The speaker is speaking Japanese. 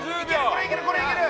これいけるこれいける。